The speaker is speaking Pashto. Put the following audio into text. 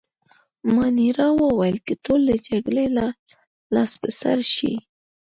مانیرا وویل: که ټول له جګړې لاس په سر شي.